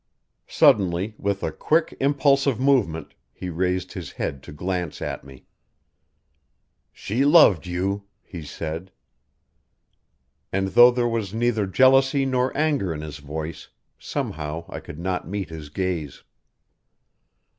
Suddenly, with a quick, impulsive movement, he raised his head to glance at me. "She loved you," he said; and though there was neither jealousy nor anger in his voice, somehow I could not meet his gaze.